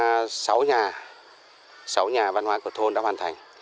đồng quý là một cái xã là hiện tại là có sáu nhà sáu nhà văn hóa của là thôn đã hoàn thành